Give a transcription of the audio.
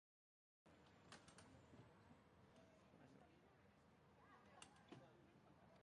En el cas de projectes d'entitats públiques, s'aprovaran un màxim de nou projectes.